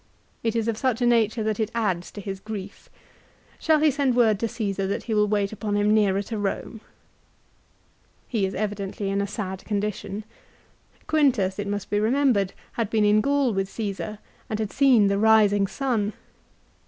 It is of such a nature that it adds to his grief. Shall he send word to Caesar that he will wait upon him nearer to Rome ? l He is evidently in a sad condition. Quintus, it must be remembered, had been in Gaul with Caesar, and had seen the rising sun.